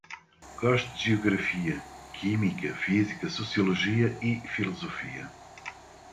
Gosto de geografia, química, física, sociologia e filosofia